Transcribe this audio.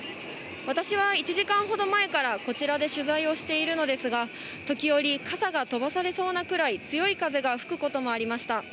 私は１時間ほど前からこちらで取材をしているのですが、時折、傘が飛ばされそうなくらい強い風が吹くこともありました。